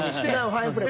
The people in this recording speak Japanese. ファインプレー。